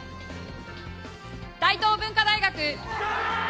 大東文化大学。